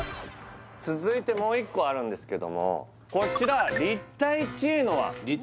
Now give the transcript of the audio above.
続いてもう一個あるんですけどもこちら立体知恵の輪？